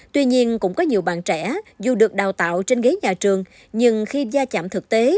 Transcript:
tuy nhiên cũng có nhiều bạn trẻ dù được đào tạo trên ghế nhà trường nhưng khi gia chạm thực tế